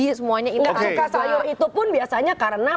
tidak suka sayur itu pun biasanya karena